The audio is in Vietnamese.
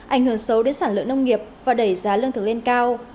ảnh hưởng xấu đến sản lượng nông nghiệp và đẩy giá lương thực lên cao